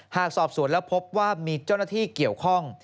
หากสอบสวนแล้วพบว่ามีเจ้าหน้าที่เกี่ยวข้อง